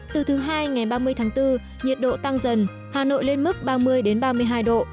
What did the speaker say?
từ thứ hai ngày ba mươi tháng bốn nhiệt độ tăng dần hà nội lên mức ba mươi ba mươi hai độ